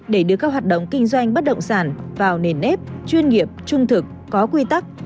để đưa các hoạt động kinh doanh bất động sản vào nền ép chuyên nghiệp trung thực có quy tắc